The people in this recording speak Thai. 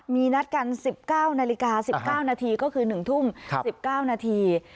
มีนัดกัน๑๙นาฬิกา๑๙นาทีก็คือ๑ทุ่ม๑๙นาที